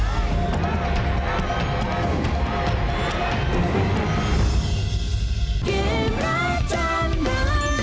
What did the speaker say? เกมรักจำนำ